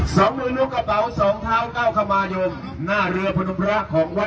สองมือลูกกระเป๋าสองเท้าเก้าขมายมหน้าเรือพนมพระของวัด